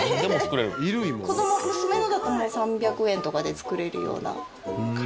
子供娘のだともう３００円とかで作れるような感じ。